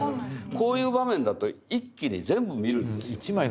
こういう場面だと一気に全部見るんですよ。